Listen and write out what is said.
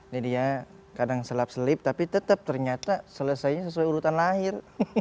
jadi ya kadang selap selip tapi tetep ternyata selesainya sesuai urutan lahir